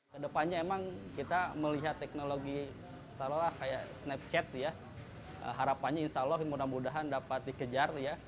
kedepannya emang kita melihat teknologi taruhlah kayak snapchat ya harapannya insya allah mudah mudahan dapat dikejar ya